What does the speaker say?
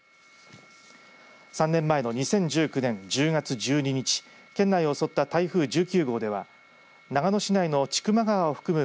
３年前の２０１９年１０月１２日県内を襲った台風１９号では長野市内の千曲川を含む